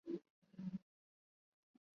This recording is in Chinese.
丰洲是东京都江东区的町名。